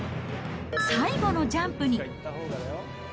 最後のジャンプに。